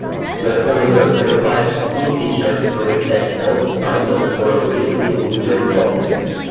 The order requires school teachers to respect both symbols or risk losing their jobs.